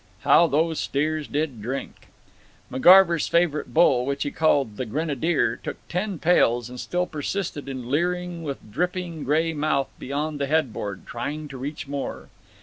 How those steers did drink! McGarver's favorite bull, which he called "the Grenadier," took ten pails and still persisted in leering with dripping gray mouth beyond the headboard, trying to reach more.